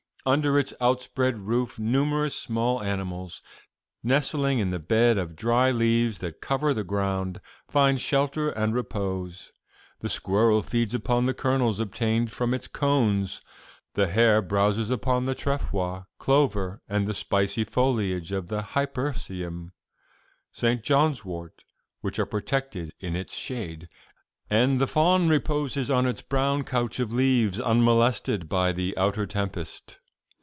Under its outspread roof numerous small animals, nestling in the bed of dry leaves that cover the ground, find shelter and repose. The squirrel feeds upon the kernels obtained from its cones; the hare browses upon the trefoil' clover 'and the spicy foliage of the hypericum' St. John's wort 'which are protected in its shade; and the fawn reposes on its brown couch of leaves unmolested by the outer tempest.